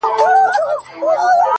o دوى ما اوتا نه غواړي ـ